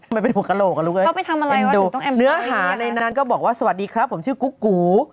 มันเป็นผลขโกรธอะลูกเอ้ยเห็นดูเหนือหาในนั้นก็บอกว่าสวัสดีครับผมชื่อกุ๊กกู